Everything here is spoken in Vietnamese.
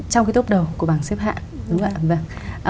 trong cái tốt đầu của bảng xếp hạ